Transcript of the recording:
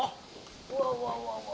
うわうわうわうわ。